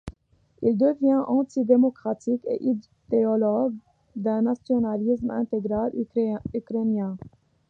Il devient anti-démocratique et idéologue d'un nationalisme intégral ukrainien.